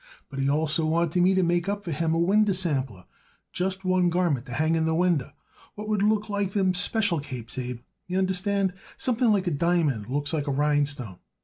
But he also wanted me to make up for him a winder sample, just one garment to hang in the winder what would look like them special capes, Abe, y'understand, something like a diamond looks like a rhinestone.